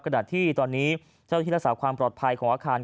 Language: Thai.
ขณะที่ตอนนี้เจ้าที่รักษาความปลอดภัยของอาคาร